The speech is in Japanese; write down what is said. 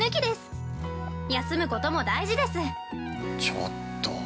◆ちょっとー。